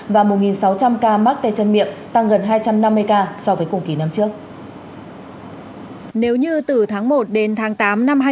và một sáu trăm linh ca mắc tay chân miệng tăng gần hai trăm năm mươi ca so với cùng kỳ năm trước